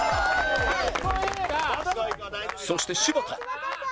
そして柴田